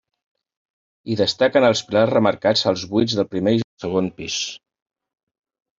Hi destaquen els pilars remarcats als buits del primer i el segon pis.